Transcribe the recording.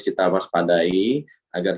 kita waspadai agar